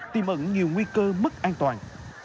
tìm ẩn nhiều nguy cơ mất an toàn